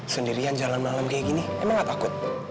sendirian jalan malam kayak gini emang gak takut